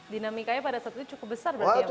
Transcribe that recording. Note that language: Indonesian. dinamikanya pada saat itu cukup besar berarti ya pak ya